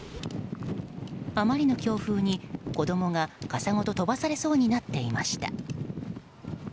あまりの強風に子供が傘ごと飛ばされそうになっていました。